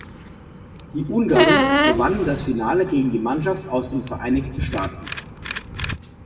Die Ungarn gewannen das Finale gegen die Mannschaft aus den Vereinigten Staaten.